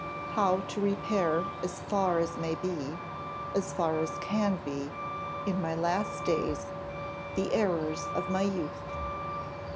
How to repair as far as may be, as far as can be, in my last days, the errors of my youth!